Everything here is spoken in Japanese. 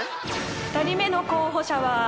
［２人目の候補者は］